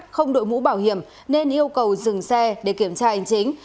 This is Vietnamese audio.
không đội mũ bảo hiểm nên yêu cầu dừng xe để kiểm tra hành chính